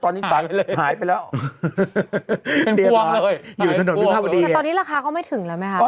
ตอนนี้ราคาก็ไม่ถึงแล้วไหมฮะ